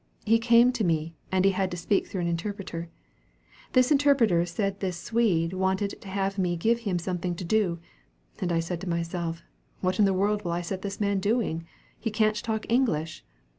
He came to me, and he had to speak through an interpreter. This interpreter said this Swede wanted to have me give him something to do. I said to myself, 'What in the world will I set this man to doing? He can't talk English!'